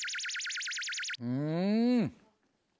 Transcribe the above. うん。